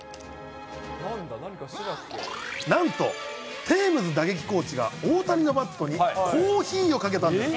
なんと、テームズ打撃コーチが大谷のバットにコーヒーをかけたんです。